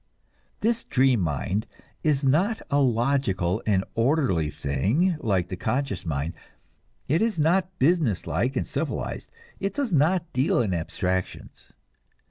This dream mind is not a logical and orderly thing like the conscious mind; it is not business like and civilized, it does not deal in abstractions.